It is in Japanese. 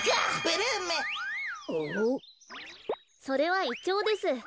それはイチョウです。